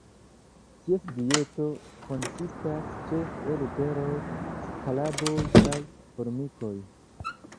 Ties dieto konsistas ĉefe el beroj, skaraboj kaj formikoj.